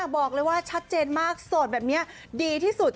บอกเลยว่าชัดเจนมากโสดแบบนี้ดีที่สุด